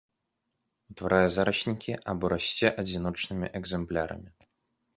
Утварае зараснікі або расце адзіночнымі экземплярамі.